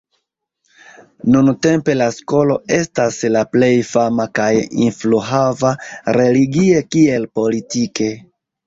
Nuntempe, la skolo estas la plej fama kaj influhava religie kiel politike.